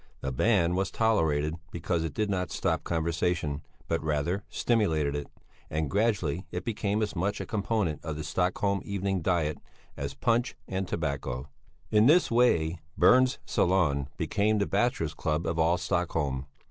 The band was tolerated because it did not stop conversation, but rather stimulated it, and gradually it became as much a component of the Stockholm evening diet, as punch and tobacco. In this way Berns' Salon became the bachelors' club of all Stockholm.